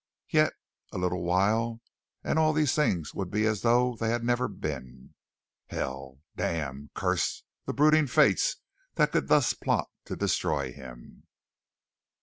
Yet a little while and all these things would be as though they had never been. Hell! Damn! Curse the brooding fates that could thus plot to destroy him!